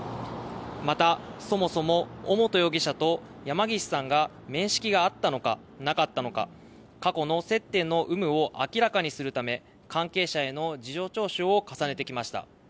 また、そもそも尾本容疑者と山岸さんが面識があったのかなかったのか過去の接点の有無を明らかにするため関係者への事情聴取を重ねてきました。